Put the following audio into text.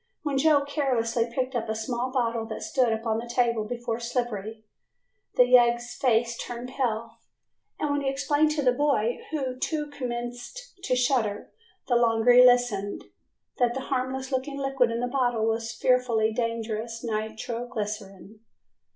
When Joe carelessly picked up a small bottle that stood upon the table before Slippery, the yegg's face turned pale, and then he explained to the boy who too commenced to shudder the longer he listened, that the harmless looking liquid in the bottle was fearfully dangerous nitro glycerine.